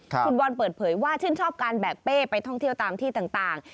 คุณบอลเปิดเผยว่าชื่นชอบการแบกเป้ไปท่องเที่ยวตามที่ต่าง